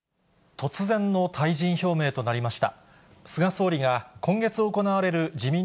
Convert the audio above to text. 突然の退陣表明となりました。